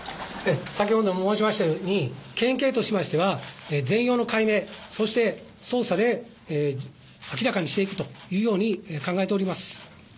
先ほど申しましたように、県警としましては、全容の解明、そして捜査で明らかにしていくというように考えております。